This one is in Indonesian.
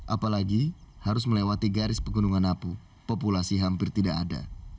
apalagi harus melewati garis pegunungan napu populasi hampir tidak ada